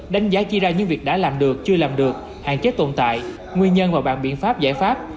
đánh giá chia ra những việc đã làm được chưa làm được hạn chế tồn tại nguyên nhân và bản biện pháp giải pháp